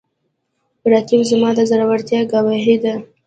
رقیب زما د زړورتیا ګواهي ده